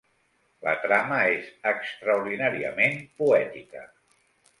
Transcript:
La trama és extraordinàriament poètica.